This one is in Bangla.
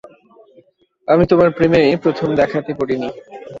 আমি তোমার প্রেমে প্রথম দেখাতে পড়ি নি।